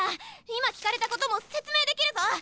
今聞かれたことも説明できるぞ！